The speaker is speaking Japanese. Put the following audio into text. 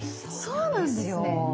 そうなんですよ。